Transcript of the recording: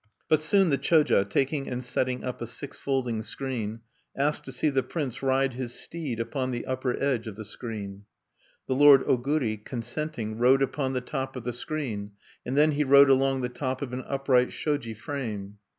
But soon the Choja, taking and setting up a six folding screen, asked to see the prince ride his steed upon the upper edge of the screen. The lord Oguri, consenting, rode upon the top of the screen; and then he rode along the top of an upright shoji frame.